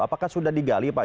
apakah sudah digali pak